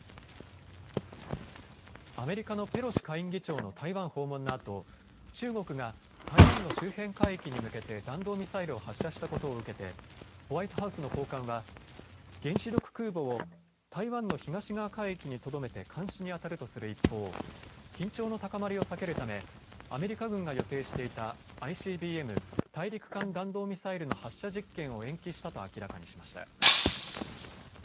アメリカのペロシ下院議長の台湾訪問のあと中国が台湾の周辺海域に向けて弾道ミサイルを発射したことを受けてホワイトハウスの高官は原子力空母を台湾の東側海域にとどめて監視にあたるとする一方、緊張の高まりを避けるためアメリカ軍が予定していたＩＣＢＭ・大陸間弾道ミサイルの発射実験を延期したと明らかにしました。